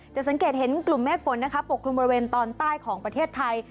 สังเกตเห็นกลุ่มเมฆฝนนะคะปกคลุมบริเวณตอนใต้ของประเทศไทย